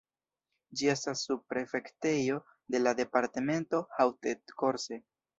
Ĝi estas subprefektejo de la departemento Haute-Corse.